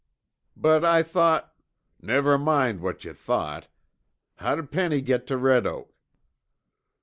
"But I thought " "Never mind what yuh thought. How'd Penny get tuh Red Oak?"